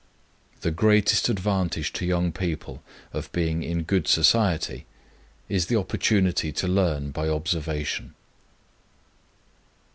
The greatest advantage to young people of being in good society is the opportunity to learn by observation.